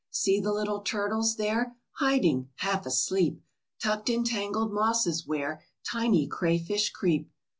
See the little turtles there, Hiding, half asleep, Tucked in tangled mosses where Tiny crayfish creep!